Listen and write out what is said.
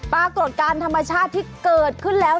ปรากฏการณ์ธรรมชาติที่เกิดขึ้นแล้ว